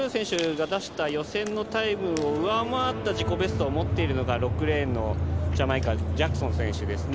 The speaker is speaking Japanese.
・ルー選手が出した予選のタイムを上回った自己ベストを持っているのが６レーンのジャマイカ、ジャクソン選手です。